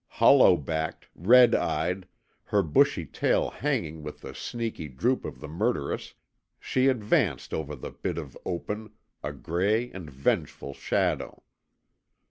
Hollow backed, red eyed, her bushy tail hanging with the sneaky droop of the murderess, she advanced over the bit of open, a gray and vengeful shadow.